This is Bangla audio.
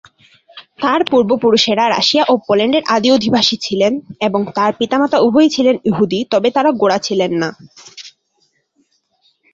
তার পূর্বপুরুষরা রাশিয়া ও পোল্যান্ডের আদি অধিবাসী ছিলেন এবং তার পিতামাতা উভয়েই ছিলেন ইহুদি, তবে তারা গোঁড়া ছিলেন না।